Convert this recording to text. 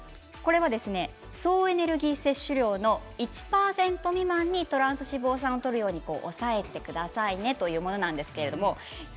総エネルギー摂取量の１％未満にトランス脂肪酸を抑えてくださいというものです。